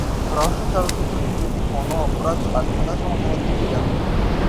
রহস্য চলচ্চিত্রগুলি মূলত কোনও অপরাধ বা ধাঁধা সমাধানে দৃষ্টি আরোপ করে।